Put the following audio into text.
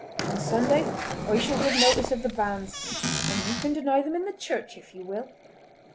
On Sunday I shall give notice of the banns, and you can deny them in the church if you will.